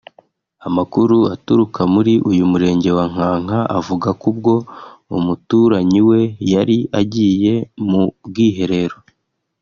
Amakuru aturuka muri uyu murenge wa Nkanka avuga ko ubwo umuturanyi we yari agiye mu bwiherero